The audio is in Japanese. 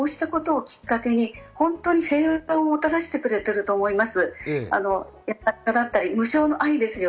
シャンシャンはこうしたことをきっかけに本当に平和をもたらしてくれていると思います。